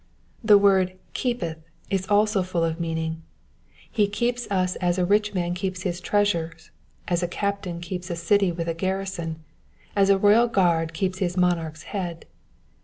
The word ^^keepeth^^ is also full of meaning : he keeps us as a rich man keeps his treasures, as a captain keeps a city with a garrison, as a royal guard keeps his monarches head.